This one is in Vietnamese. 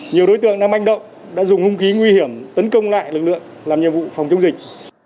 nhiều đối tượng đang manh động đã dùng hung khí nguy hiểm tấn công lại lực lượng làm nhiệm vụ phòng chống dịch